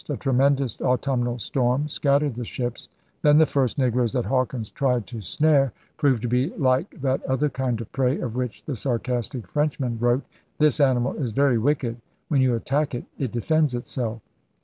A tremendous autumnal storm scattered the ships. Then the first negroes that Hawkins tried to * snare' proved to be like that other kind of prey of which the sarcastic Frenchman wrote: *This animal is very wicked; when you attack it, it defends itself.'